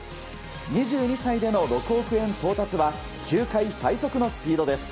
２２歳での６億円到達は球界最速のスピードです。